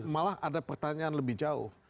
malah ada pertanyaan lebih jauh